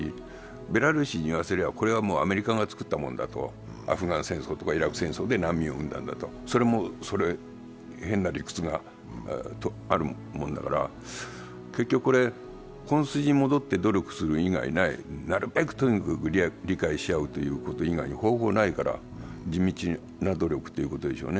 ベラルーシに言わせれば、これはアメリカが作ったものだと、アフガン戦争とかイラク戦争とかで難民を生んだんだと、それも変な理屈があるもんだから、結局本筋に戻って努力する以外ないなるべくとにかく理解し合うという以外に方法ないから、地道な努力ということでしょうね。